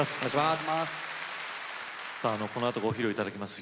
このあとご披露いただきます